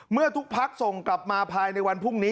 เมื่อทุกพักส่งกลับมาภายในวันพรุ่งนี้